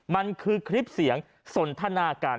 มันคือคลิปเสียงสนทนาการ